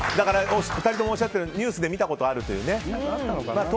お二人ともおっしゃったようにニュースで見たことあるというね。